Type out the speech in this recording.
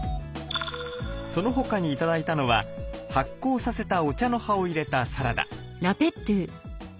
その他に頂いたのは発酵させたお茶の葉を入れたサラダ。